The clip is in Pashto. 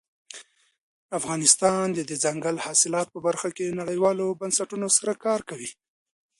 افغانستان د دځنګل حاصلات په برخه کې نړیوالو بنسټونو سره کار کوي.